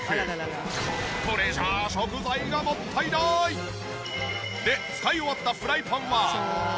これじゃあ食材がもったいない！で使い終わったフライパンは。